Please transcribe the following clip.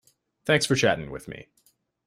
Thanks for chatting with me.